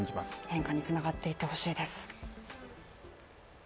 変化につながっていってほしいです。